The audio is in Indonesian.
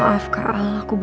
apa itu ya